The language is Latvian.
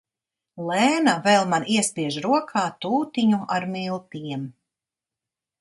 Lēna vēl man iespiež rokā tūtiņu ar miltiem.